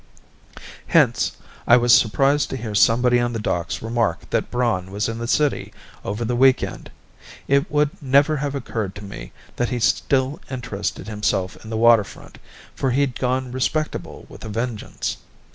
Hence I was surprised to hear somebody on the docks remark that Braun was in the city over the week end. It would never have occurred to me that he still interested himself in the waterfront, for he'd gone respectable with a vengeance.